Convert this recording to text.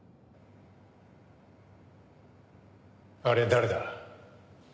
あれは誰だ？